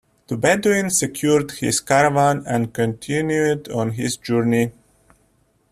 The Bedouin secured his caravan and continued on his journey.